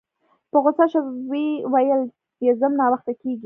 په غوسه شوه ویل یې ځم ناوخته کیږي